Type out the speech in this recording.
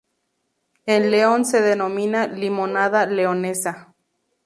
En León se denomina limonada leonesa.